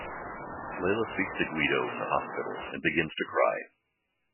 Layla speaks to Guido in the hospital and begins to cry.